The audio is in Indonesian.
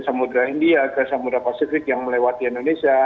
samudera india ke samudera pasifik yang melewati indonesia